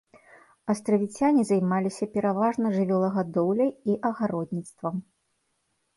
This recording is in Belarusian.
Астравіцяне займаліся пераважна жывёлагадоўляй і агародніцтвам.